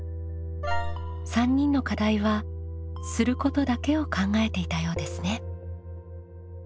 ３人の課題は「する」ことだけを考えていたようですね。